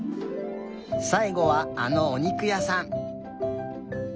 さいごはあのおにくやさん！